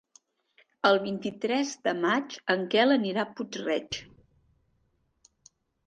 El vint-i-tres de maig en Quel anirà a Puig-reig.